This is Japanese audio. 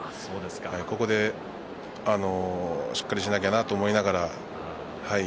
ここでしっかりしないといけないなと思いながら。